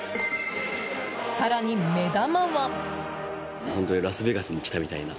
更に、目玉は。